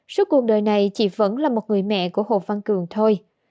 suốt cuộc đời này chị vẫn là một người mẹ của hồ văn cường thôi